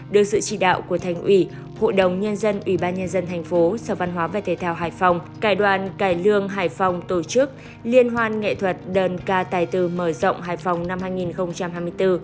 được sự chỉ đạo của thành ủy hội đồng nhân dân ủy ban nhân dân thành phố sở văn hóa về thể thao hải phòng cải đoàn cải lương hải phòng tổ chức liên hoan nghệ thuật đơn ca tài tử mở rộng hải phòng năm hai nghìn hai mươi bốn